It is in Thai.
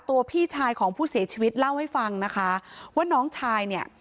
พี่ชายของผู้เสียชีวิตเล่าให้ฟังนะคะว่าน้องชายเนี่ย